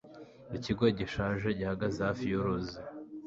Ikigo gishaje gihagaze hafi yuruzi.